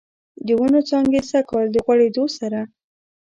د ونوو څانګې سږکال، د غوړیدو سره